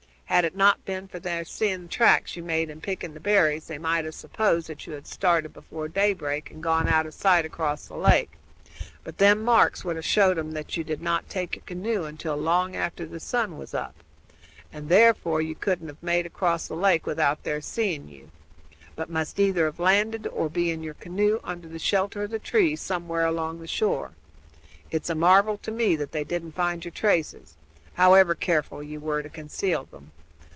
Had it not been for their seeing the tracks you made in picking the berries they might have, supposed you had started before daybreak, and had gone out of sight across the lake; but them marks would have shown 'em that you did not take to your canoe until long after the sun was up, and therefore that you couldn't have made across the lake without their seeing you, but must either have landed or be in your canoe under shelter of the trees somewhere along the shore. It's a marvel to me that they didn't find your traces, however careful you were to conceal 'em.